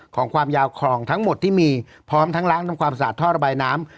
ความยาวของทั้งหมดที่มีพร้อมทั้งล้างทำความสะอาดท่อระบายน้ำ